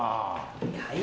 はい。